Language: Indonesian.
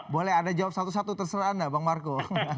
boleh anda jawab satu satu terserah anda bang marco